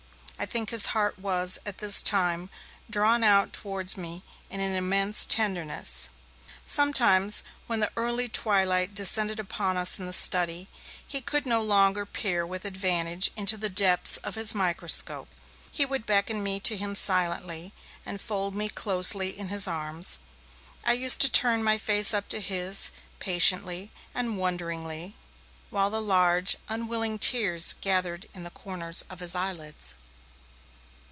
I think his heart was, at this time, drawn out towards me in an immense tenderness. Sometimes, when the early twilight descended upon us in the study, and he could no longer peer with advantage into the depths of his microscope, he would beckon me to him silently, and fold me closely in his arms. I used to turn my face up to his, patiently and wonderingly, while the large, unwilling tears gathered in the corners of his eyelids.